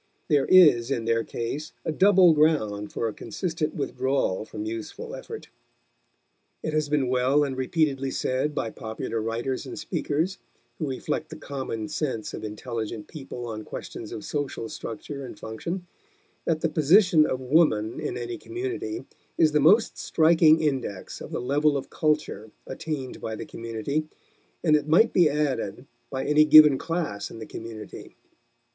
There is in their case a double ground for a consistent withdrawal from useful effort. It has been well and repeatedly said by popular writers and speakers who reflect the common sense of intelligent people on questions of social structure and function that the position of woman in any community is the most striking index of the level of culture attained by the community, and it might be added, by any given class in the community.